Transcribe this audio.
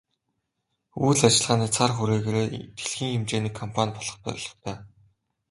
Үйл ажиллагааны цар хүрээгээрээ дэлхийн хэмжээний компани болох зорилготой.